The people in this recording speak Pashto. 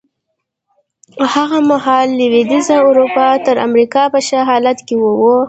هغه مهال لوېدیځه اروپا تر امریکا په ښه حالت کې وه.